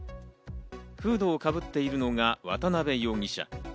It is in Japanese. フードをかぶっているのが渡辺容疑者。